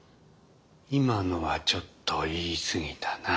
今のはちょっと言い過ぎたな。